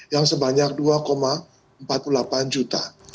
yang sebanyak dua empat puluh delapan juta